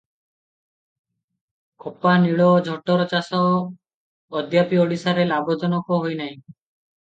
କପା, ନୀଳ ଓ ଝୋଟର ଚାଷ ଅଦ୍ୟାପି ଓଡ଼ିଶାରେ ଲାଭଜନକ ହୋଇ ନାହିଁ ।